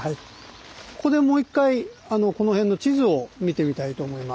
ここでもう一回この辺の地図を見てみたいと思います。